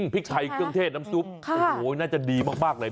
พริกไทยเครื่องเทศน้ำซุปโอ้โหน่าจะดีมากเลย